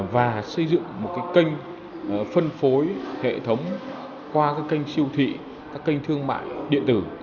và xây dựng một kênh phân phối hệ thống qua kênh siêu thị các kênh thương mại điện tử